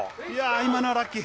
今のはラッキー。